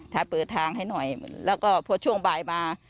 ถ้าเปิดทางให้หน่อยแล้วก็พอช่วงบ่ายมา